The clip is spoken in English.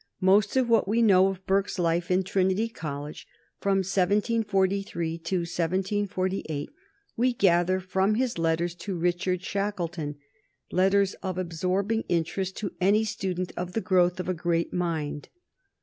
Most of what we know of Burke's life in Trinity College from 1743 to 1748 we gather from his letters to Richard Shackleton, letters of absorbing interest to any student of the growth of a great mind.